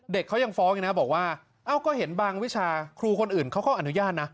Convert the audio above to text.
เขายังฟ้องอีกนะบอกว่าเอ้าก็เห็นบางวิชาครูคนอื่นเขาก็อนุญาตนะ